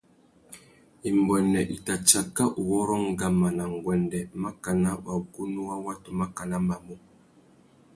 Imbuênê i tà tsaka uwôrrô ngama nà nguêndê makana wagunú wa watu makana mamú.